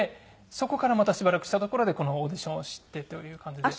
そこからまたしばらくしたところでこのオーディションを知ってという感じで。